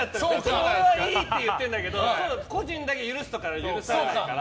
俺はいいって言ってるんだけど個人だけ許すとか許されないから。